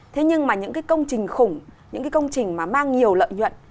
thế nhưng mà những cái công trình khủng những cái công trình mà mang nhiều lợi nhuận